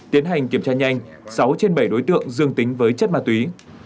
tiến hành kiểm tra nhanh sáu trên bảy đối tượng dương tính với chất ma túy